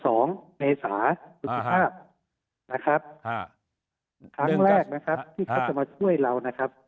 ครั้งแรกนะครับที่เขาจะมาช่วยเรานะครับ